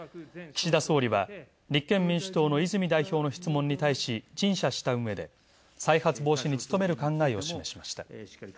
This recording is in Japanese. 岸田総理は立憲民主党の泉代表の質問に対し、陳謝した上で再発防止に努める考えを示しました。